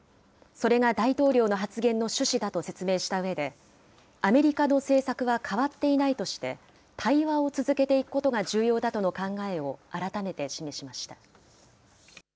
それが大統領の発言の趣旨だと説明したうえで、アメリカの政策は変わっていないとして、対話を続けていくことが重要だとの考えを改めて示しました。